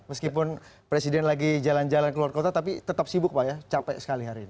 meskipun presiden lagi jalan jalan keluar kota tapi tetap sibuk pak ya capek sekali hari ini